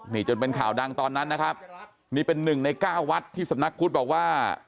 นี่จนเป็นข่าวดังตอนนั้นนะครับนี่เป็นหนึ่งในเก้าวัดที่สำนักพุทธบอกว่า